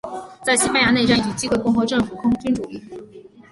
在西班牙内战一举击溃共和政府空军主力。